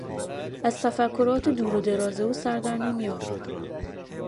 از تفکرات دور و دراز او سر در نمیآورم.